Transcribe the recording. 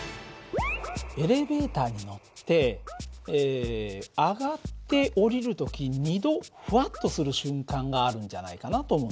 エレベーターに乗って上がって下りる時２度ふわっとする瞬間があるんじゃないかなと思うんです。